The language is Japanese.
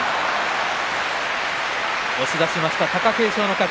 押し出しました、貴景勝の勝ち。